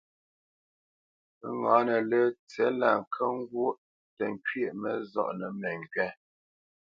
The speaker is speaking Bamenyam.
Məŋǎnə lə́ tsí lá nkə́ ŋgwó tə nkywɛ̂ʼ məzɔʼnə məŋgywâ.